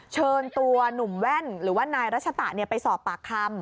เชิญตัวหนุ่มแว่นหรือว่านายรัชตะไปสอบปากคำ